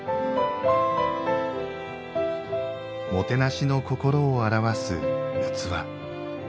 もてなしの心を表す器。